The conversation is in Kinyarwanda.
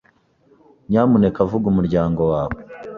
Nyamuneka vuga umuryango wawe.